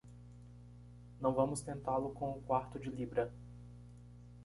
Não vamos tentá-lo com o quarto de libra.